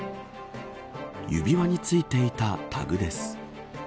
指輪についていたタグです。